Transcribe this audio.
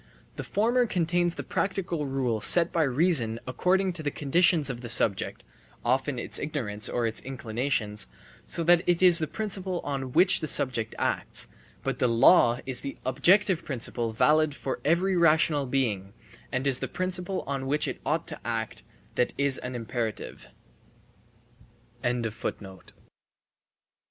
The former contains the practical rule set by reason according to the conditions of the subject (often its ignorance or its inclinations), so that it is the principle on which the subject acts; but the law is the objective principle valid for every rational being, and is the principle on which it ought to act that is an imperative.